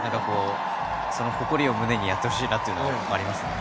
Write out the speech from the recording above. その誇りを胸にやってほしいなというのはありますね。